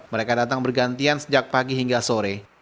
mereka datang bergantian sejak pagi hingga sore